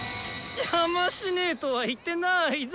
邪魔しねぇとは言ってなぁいぜ？